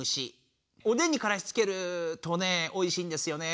おでんにカラシつけるとねおいしいんですよね。